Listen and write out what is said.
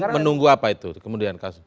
menunggu apa itu kemudian